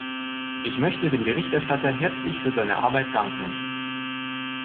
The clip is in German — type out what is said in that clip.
Ich möchte dem Berichterstatter herzlich für seine Arbeit danken.